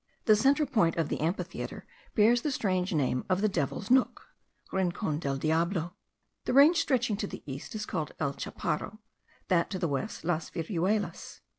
The central point of the amphitheatre bears the strange name of the Devil's Nook (Rincon del Diablo). The range stretching to the east is called El Chaparro; that to the west, Las Viruelas.